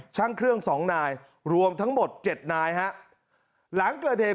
ช่างเครื่องสองนายรวมทั้งหมดเจ็ดนายฮะหลังเกิดเหตุ